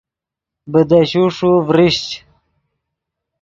بیدشے ݰو ڤریشچ